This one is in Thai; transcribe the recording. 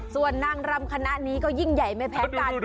ส่วนนางรำคณะนี้ก็ยิ่งใหญ่ไม่แพ้กัน